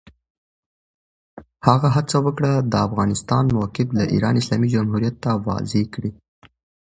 هغه هڅه وکړه، د افغانستان موقف د ایران اسلامي جمهوریت ته واضح کړي.